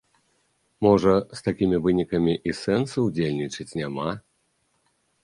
Можа, з такімі вынікамі і сэнсу ўдзельнічаць няма?